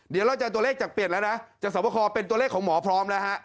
เดี๋ยวเราจะตัวเลขจากเปลี่ยนแล้วนะจากสวบคอเป็นตัวเลขของหมอพร้อมแล้วฮะ